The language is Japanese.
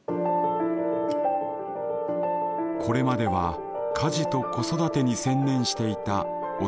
これまでは家事と子育てに専念していたおすしさん。